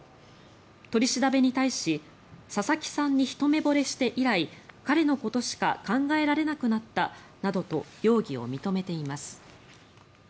取り調べに対し佐々木さんにひと目ぼれして以来彼のことしか考えられなくなったなどと容疑を認めています。